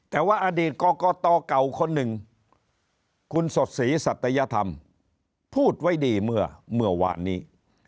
แต่ว่าอดีตกรกตเก่าคนหนึ่งคุณสดศรีสัตยธรรมพูดไว้ดีเมื่อวานนี้